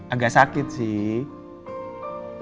agak sakit sih